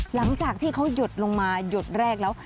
หลังจากที่เขาหยดลงมาหยดแรกแล้ว